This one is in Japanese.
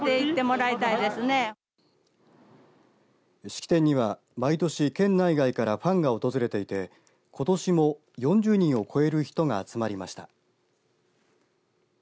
式典には、毎年県内外からファンが訪れていてことしも４０人を超える人が集まりました。